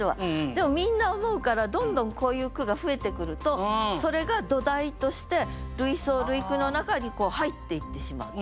でもみんな思うからどんどんこういう句が増えてくるとそれが土台として類思類句の中に入っていってしまう。